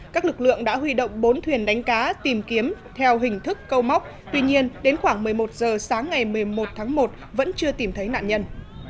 các lực lượng đã huy động bốn thuyền đánh cá tìm kiếm theo hình thức câu móc tuy nhiên đến khoảng một mươi một giờ sáng ngày một mươi một tháng một vẫn chưa tìm thấy nạn nhân